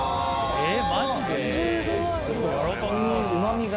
えっ！